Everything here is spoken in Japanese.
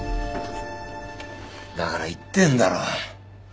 だから言ってんだろ。